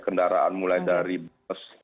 kendaraan mulai dari bus